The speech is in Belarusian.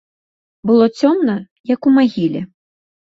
Было цёмна, як у магіле.